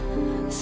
aku mau pergi dulu